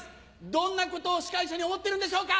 どんなことを司会者に思ってるんでしょうか？